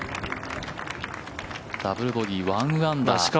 ダブルボギー、１アンダー。